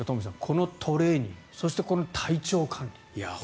このトレーニングそして、この体調管理。